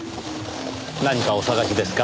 何かお捜しですか？